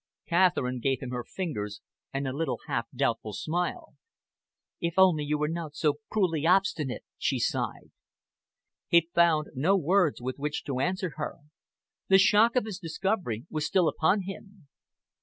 Catherine gave him her fingers and a little half doubtful smile. "If only you were not so cruelly obstinate!" she sighed. He found no words with which to answer her. The shock of his discovery was still upon him.